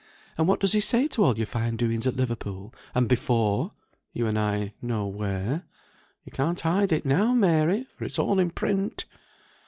And what does he say to all your fine doings at Liverpool, and before? you and I know where. You can't hide it now, Mary, for it's all in print."